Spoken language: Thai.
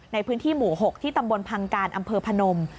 ในพื้นที่หมู่๖ที่ตำบลพังการอำเภอพนม